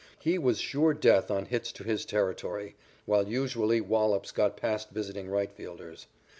He was sure death on hits to his territory, while usually wallops got past visiting right fielders.